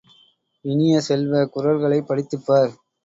இனிய செல்வ, குறள்களைப் படித்துப்பார்!